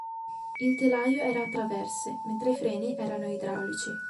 Il telaio era a traverse, mentre i freni erano idraulici.